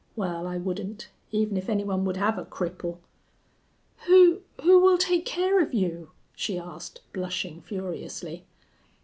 Well, I wouldn't, even if any one would have a cripple." "Who who will take care of you?" she asked, blushing furiously.